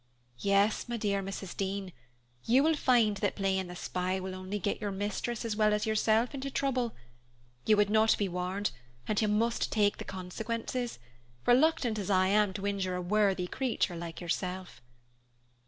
Yes, my dear Mrs. Dean, you will find that playing the spy will only get your mistress as well as yourself into trouble. You would not be warned, and you must take the consequences, reluctant as I am to injure a worthy creature like yourself."